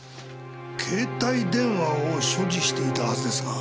携帯電話を所持していたはずですが。